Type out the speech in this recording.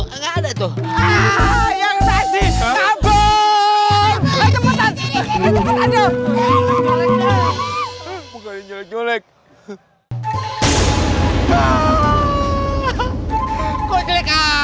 ada tuh yang masih kabur cepetan cepetan jual jual